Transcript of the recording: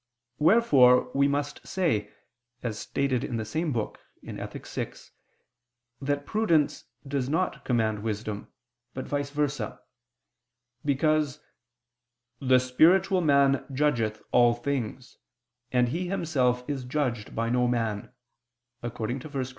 Wherefore we must say, as stated in the same book (Ethic. vi), that prudence does not command wisdom, but vice versa: because "the spiritual man judgeth all things; and he himself is judged by no man" (1 Cor.